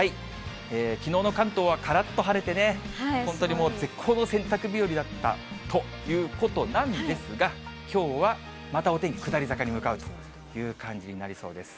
きのうの関東はからっと晴れてね、本当に絶好の洗濯日和だったということなんですが、きょうはまたお天気下り坂に向かうという感じになりそうです。